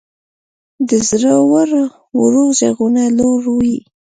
د زړورو ږغونه لوړ وي.